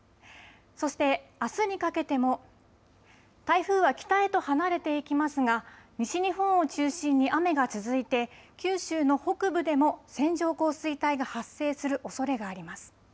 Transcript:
そしてあすにかけても台風は北へと離れていきますが西日本を中心に雨が続いて九州の北部でも線状降水帯が発生するおそれがあります。